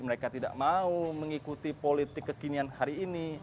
mereka tidak mau mengikuti politik kekinian hari ini